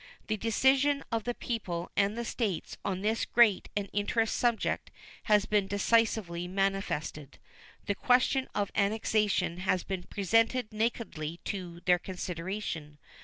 The decision of the people and the States on this great and interesting subject has been decisively manifested. The question of annexation has been presented nakedly to their consideration.